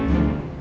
apa lagi sih